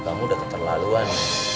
kamu udah keterlaluan